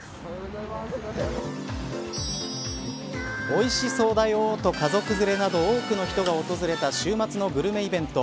おいしそうだよと家族連れなど多くの人が訪れた週末のグルメイベント。